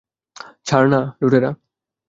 ছাড় না, লুটেরা!